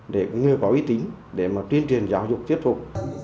để người có ý tính để mà tuyên truyền giáo dục tiếp tục